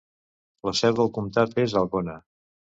La seu del comtat és Algona.